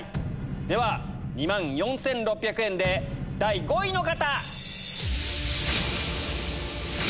では２万４６００円で第５位の方！